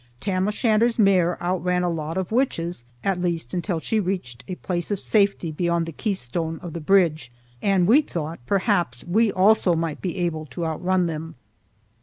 Tam o' Shanter's mare outran a lot of witches,—at least until she reached a place of safety beyond the keystone of the bridge,—and we thought perhaps we also might be able to outrun them.